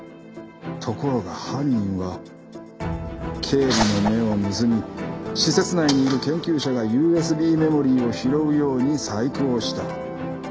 ところが犯人は警備の目を盗み施設内にいる研究者がＵＳＢメモリーを拾うように細工をした。